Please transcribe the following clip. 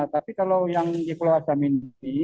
tapi kalau yang di pulau asam ini